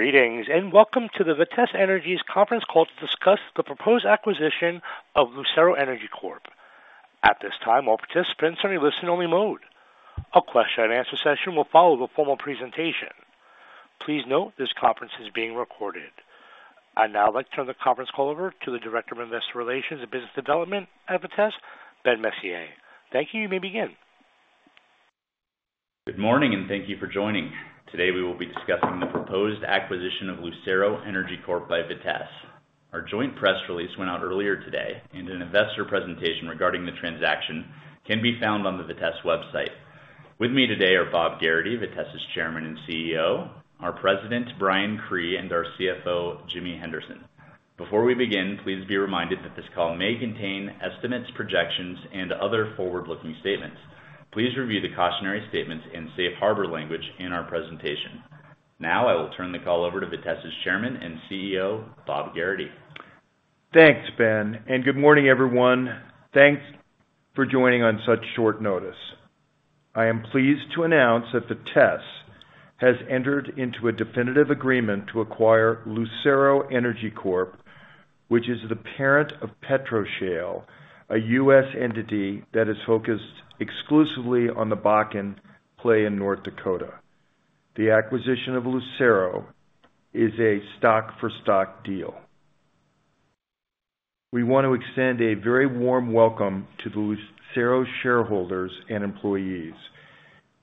Greetings and welcome to the Vitesse Energy's conference call to discuss the proposed acquisition of Lucero Energy Corp. At this time, all participants are in listen-only mode. A question-and-answer session will follow the formal presentation. Please note this conference is being recorded. I'd now like to turn the conference call over to the Director of Investor Relations and Business Development at Vitesse, Ben Messier. Thank you, you may begin. Good morning and thank you for joining. Today we will be discussing the proposed acquisition of Lucero Energy Corp by Vitesse. Our joint press release went out earlier today, and an investor presentation regarding the transaction can be found on the Vitesse website. With me today are Bob Gerrity, Vitesse's Chairman and CEO, our President, Brian Cree, and our CFO, Jimmy Henderson. Before we begin, please be reminded that this call may contain estimates, projections, and other forward-looking statements. Please review the cautionary statements in safe harbor language in our presentation. Now I will turn the call over to Vitesse's Chairman and CEO, Bob Gerrity. Thanks, Ben, and good morning everyone. Thanks for joining on such short notice. I am pleased to announce that Vitesse has entered into a definitive agreement to acquire Lucero Energy Corp, which is the parent of PetroShale, a U.S. entity that is focused exclusively on the Bakken Play in North Dakota. The acquisition of Lucero is a stock-for-stock deal. We want to extend a very warm welcome to the Lucero shareholders and employees,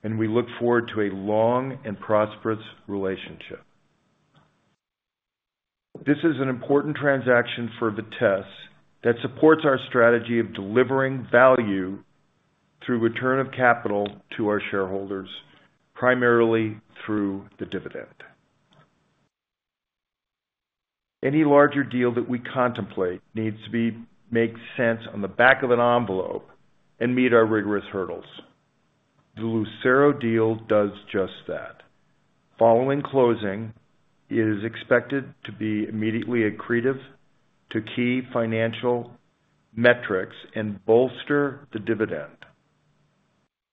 and we look forward to a long and prosperous relationship. This is an important transaction for Vitesse that supports our strategy of delivering value through return of capital to our shareholders, primarily through the dividend. Any larger deal that we contemplate needs to make sense on the back of an envelope and meet our rigorous hurdles. The Lucero deal does just that. Following closing, it is expected to be immediately accretive to key financial metrics and bolster the dividend,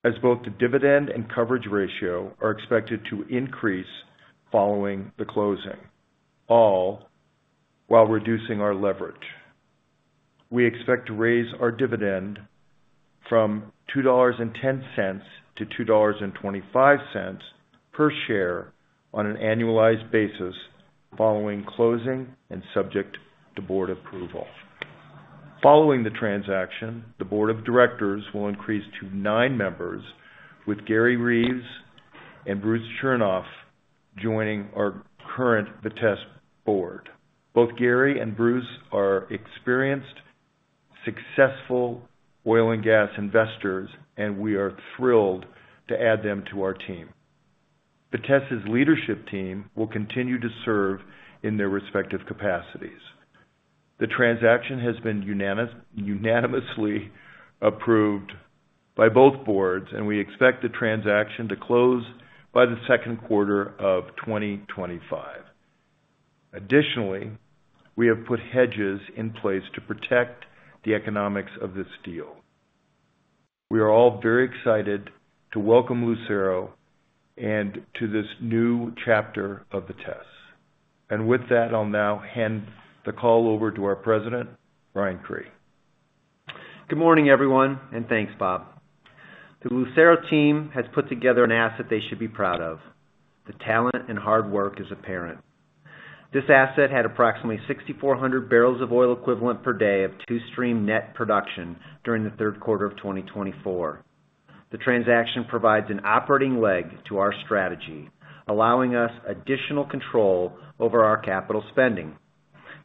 as both the dividend and coverage ratio are expected to increase following the closing, all while reducing our leverage. We expect to raise our dividend from $2.10 to $2.25 per share on an annualized basis following closing and subject to board approval. Following the transaction, the board of directors will increase to nine members, with Gary Reaves and Bruce Chernoff joining our current Vitesse board. Both Gary and Bruce are experienced, successful oil and gas investors, and we are thrilled to add them to our team. Vitesse's leadership team will continue to serve in their respective capacities. The transaction has been unanimously approved by both boards, and we expect the transaction to close by the second quarter of 2025. Additionally, we have put hedges in place to protect the economics of this deal. We are all very excited to welcome Lucero and to this new chapter of Vitesse. And with that, I'll now hand the call over to our President, Brian Cree. Good morning everyone, and thanks, Bob. The Lucero team has put together an asset they should be proud of. The talent and hard work is apparent. This asset had approximately 6,400 barrels of oil equivalent per day of two-stream net production during the third quarter of 2024. The transaction provides an operating leg to our strategy, allowing us additional control over our capital spending.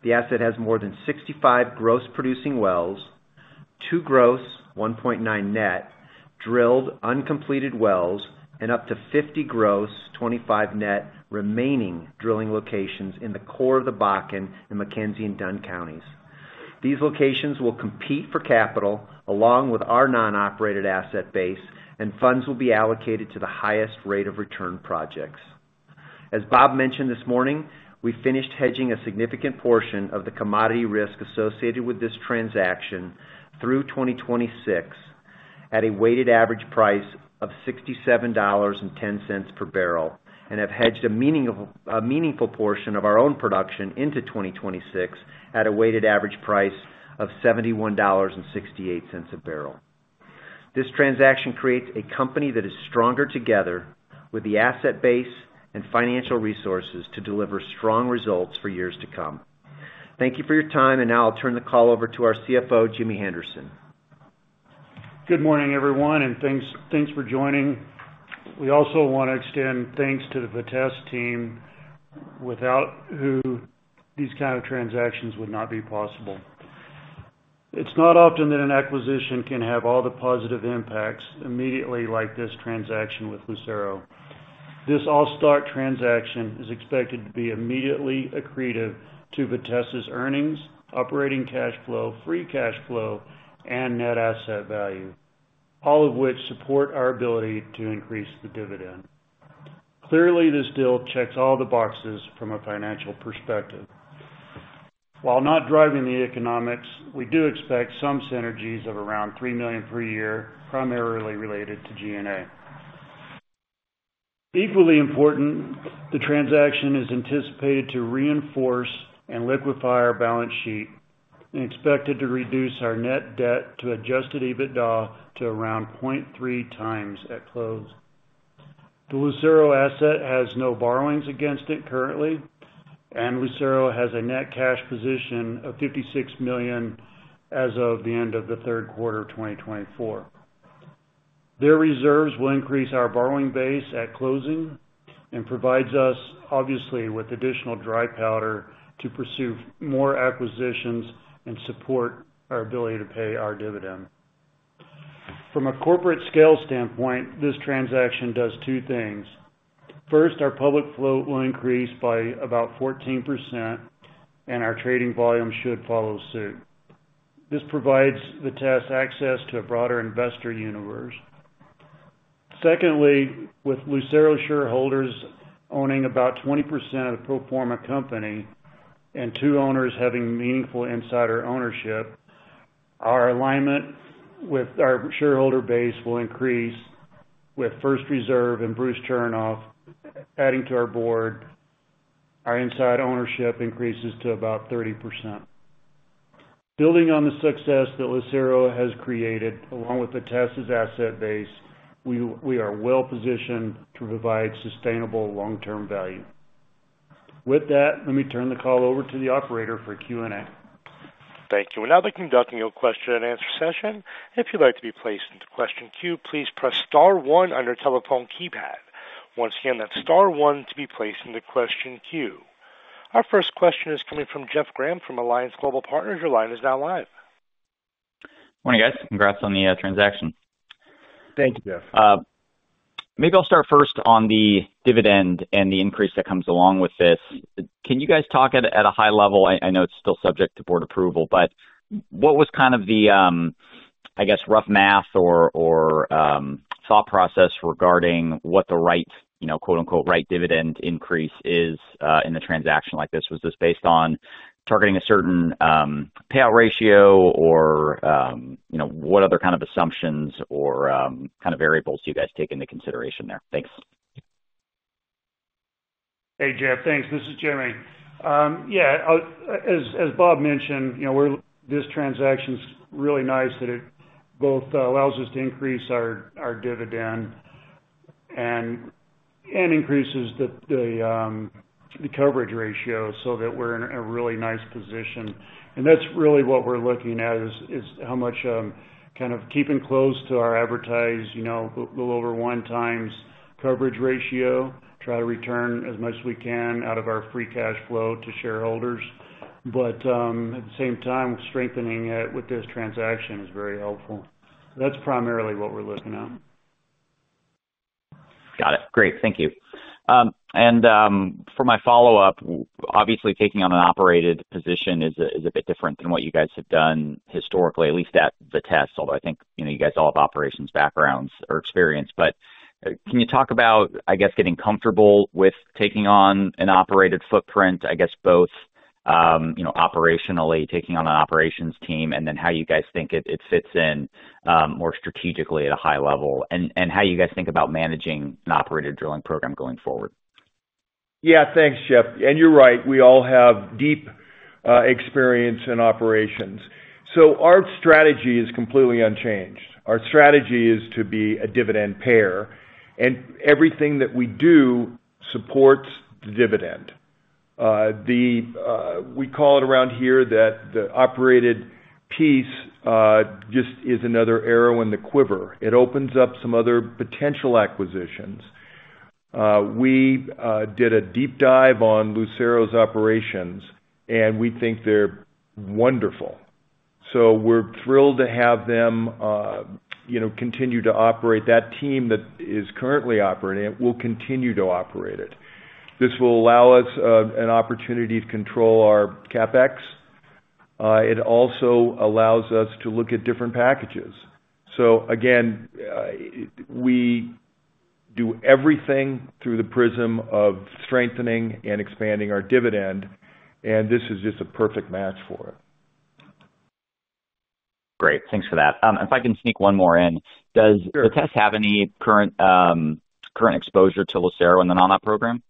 The asset has more than 65 gross producing wells, two gross, 1.9 net, drilled uncompleted wells, and up to 50 gross, 25 net remaining drilling locations in the core of the Bakken and McKenzie and Dunn Counties. These locations will compete for capital along with our non-operated asset base, and funds will be allocated to the highest rate of return projects. As Bob mentioned this morning, we finished hedging a significant portion of the commodity risk associated with this transaction through 2026 at a weighted average price of $67.10 per barrel and have hedged a meaningful portion of our own production into 2026 at a weighted average price of $71.68 a barrel. This transaction creates a company that is stronger together with the asset base and financial resources to deliver strong results for years to come. Thank you for your time, and now I'll turn the call over to our CFO, Jimmy Henderson. Good morning everyone, and thanks for joining. We also want to extend thanks to the Vitesse team without whom these kinds of transactions would not be possible. It's not often that an acquisition can have all the positive impacts immediately like this transaction with Lucero. This all-stock transaction is expected to be immediately accretive to Vitesse's earnings, operating cash flow, free cash flow, and net asset value, all of which support our ability to increase the dividend. Clearly, this deal checks all the boxes from a financial perspective. While not driving the economics, we do expect some synergies of around $3 million per year, primarily related to G&A. Equally important, the transaction is anticipated to reinforce and de-lever our balance sheet and expected to reduce our net debt to adjusted EBITDA to around 0.3x at close. The Lucero asset has no borrowings against it currently, and Lucero has a net cash position of $56 million as of the end of the third quarter of 2024. Their reserves will increase our borrowing base at closing and provides us, obviously, with additional dry powder to pursue more acquisitions and support our ability to pay our dividend. From a corporate scale standpoint, this transaction does two things. First, our public float will increase by about 14%, and our trading volume should follow suit. This provides Vitesse access to a broader investor universe. Secondly, with Lucero shareholders owning about 20% of the pro forma company and two owners having meaningful insider ownership, our alignment with our shareholder base will increase with First Reserve and Bruce Chernoff adding to our board. Our insider ownership increases to about 30%. Building on the success that Lucero has created along with Vitesse's asset base, we are well-positioned to provide sustainable long-term value. With that, let me turn the call over to the operator for Q&A. Thank you. We're now conducting a question-and-answer session. If you'd like to be placed into question queue, please press star one on your telephone keypad. Once again, that's star one to be placed into question queue. Our first question is coming from Jeff Grampp from Alliance Global Partners. Your line is now live. Morning, guys. Congrats on the transaction. Thank you, Jeff. Maybe I'll start first on the dividend and the increase that comes along with this. Can you guys talk at a high level? I know it's still subject to board approval, but what was kind of the, I guess, rough math or thought process regarding what the "right dividend" increase is in a transaction like this? Was this based on targeting a certain payout ratio or what other kind of assumptions or kind of variables do you guys take into consideration there? Thanks. Hey, Jeff, thanks. This is Jimmy. Yeah, as Bob mentioned, this transaction's really nice that it both allows us to increase our dividend and increases the coverage ratio so that we're in a really nice position. And that's really what we're looking at is how much kind of keeping close to our advertised a little over one times coverage ratio, try to return as much as we can out of our free cash flow to shareholders. But at the same time, strengthening it with this transaction is very helpful. That's primarily what we're looking at. Got it. Great. Thank you. And for my follow-up, obviously, taking on an operated position is a bit different than what you guys have done historically, at least at Vitesse, although I think you guys all have operations backgrounds or experience. But can you talk about, I guess, getting comfortable with taking on an operated footprint, I guess, both operationally, taking on an operations team, and then how you guys think it fits in more strategically at a high level, and how you guys think about managing an operated drilling program going forward? Yeah, thanks, Jeff. And you're right. We all have deep experience in operations. So our strategy is completely unchanged. Our strategy is to be a dividend payer, and everything that we do supports the dividend. We call it around here that the operated piece just is another arrow in the quiver. It opens up some other potential acquisitions. We did a deep dive on Lucero's operations, and we think they're wonderful. So we're thrilled to have them continue to operate. That team that is currently operating it will continue to operate it. This will allow us an opportunity to control our CapEx. It also allows us to look at different packages. So again, we do everything through the prism of strengthening and expanding our dividend, and this is just a perfect match for it. Great. Thanks for that. If I can sneak one more in, does Vitesse have any current exposure to Lucero in the non-op program?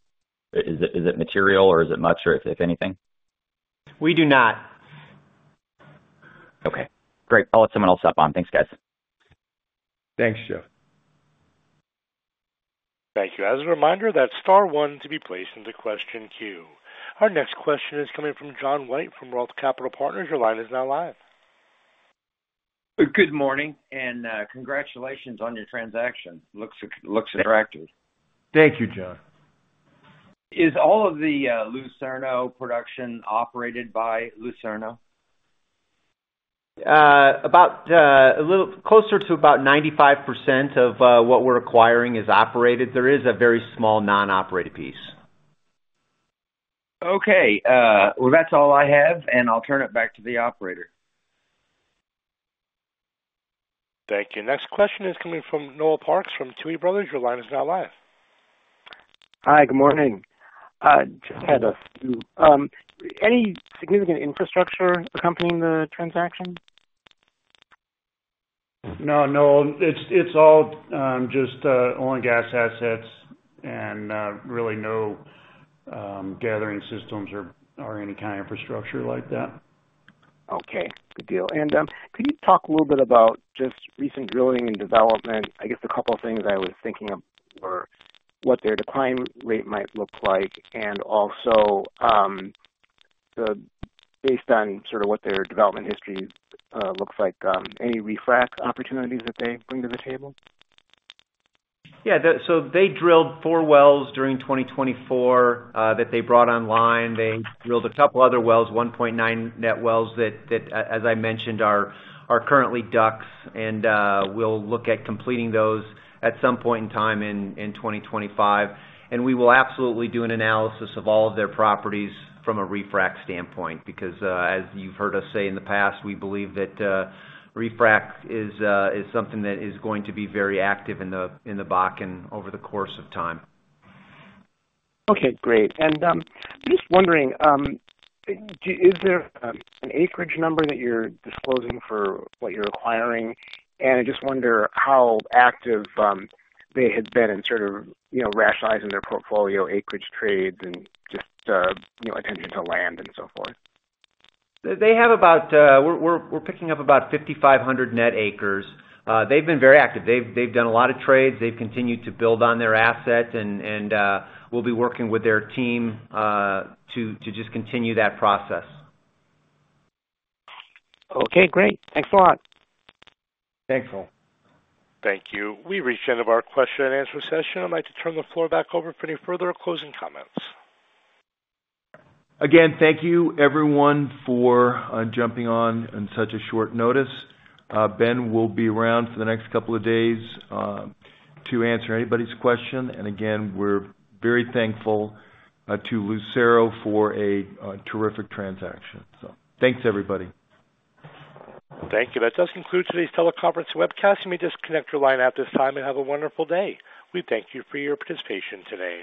Is it material or is it much, or if anything? We do not. Okay. Great. I'll let someone else step on. Thanks, guys. Thanks, Jeff. Thank you. As a reminder, that's star one to be placed into question queue. Our next question is coming from John White from Roth Capital Partners. Your line is now live. Good morning, and congratulations on your transaction. Looks attractive. Thank you, John. Is all of the Lucero production operated by Lucero? About a little closer to about 95% of what we're acquiring is operated. There is a very small non-operated piece. Okay. Well, that's all I have, and I'll turn it back to the operator. Thank you. Next question is coming from Noel Parks from Tuohy Brothers. Your line is now live. Hi, good morning. Just had a few. Any significant infrastructure accompanying the transaction? No, no. It's all just oil and gas assets and really no gathering systems or any kind of infrastructure like that. Okay. Good deal. And could you talk a little bit about just recent drilling and development? I guess a couple of things I was thinking of were what their decline rate might look like and also based on sort of what their development history looks like, any refrac opportunities that they bring to the table? Yeah. So they drilled four wells during 2024 that they brought online. They drilled a couple of other wells, 1.9 net wells that, as I mentioned, are currently DUCs, and we'll look at completing those at some point in time in 2025. We will absolutely do an analysis of all of their properties from a refrac standpoint because, as you've heard us say in the past, we believe that refrac is something that is going to be very active in the Bakken over the course of time. Okay. Great. And just wondering, is there an acreage number that you're disclosing for what you're acquiring? And I just wonder how active they had been in sort of rationalizing their portfolio, acreage trades, and just attention to land and so forth. We're picking up about 5,500 net acres. They've been very active. They've done a lot of trades. They've continued to build on their asset, and we'll be working with their team to just continue that process. Okay. Great. Thanks a lot. Thanks, Noel. Thank you. We reached the end of our question-and-answer session. I'd like to turn the floor back over for any further closing comments. Again, thank you, everyone, for jumping on in such a short notice. Ben will be around for the next couple of days to answer anybody's question. And again, we're very thankful to Lucero for a terrific transaction. So thanks, everybody. Thank you. That does conclude today's teleconference webcast. You may now disconnect your line at this time and have a wonderful day. We thank you for your participation today.